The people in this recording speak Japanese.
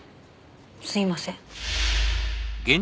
すいません。